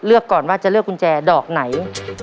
เลือกก่อนว่าจะเลือกกุญแจดอกไหน